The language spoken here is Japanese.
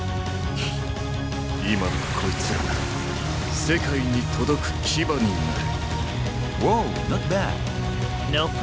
今のこいつらなら世界に届く牙になる。